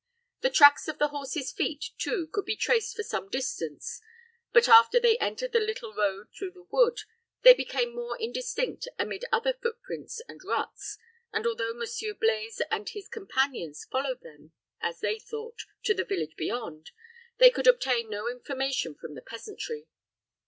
The tracks of the horses' feet, too, could be traced for some distance; but, after they entered the little road through the wood, they became more indistinct amid other footprints and ruts, and, although Monsieur Blaize and his companions followed them, as they thought, to the village beyond, they could obtain no information from the peasantry.